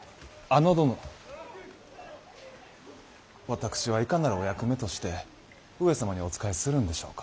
私はいかなるお役目として上様にお仕えするんでしょうか。